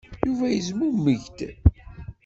Yuba yezmumeg-d.